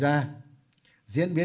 diễn biến bất ngờ